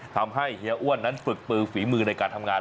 เฮียอ้วนนั้นฝึกปือฝีมือในการทำงาน